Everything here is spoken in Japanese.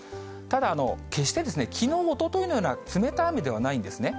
ただ、決してきのう、おとといのような、冷たい雨ではないんですね。